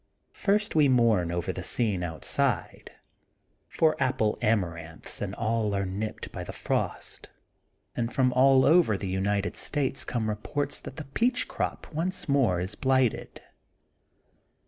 First we mourn over the scene outside, for Apple Amaranths and all are nipped by the frost and from all over the United States come reports that the peach crop once more ia blighted.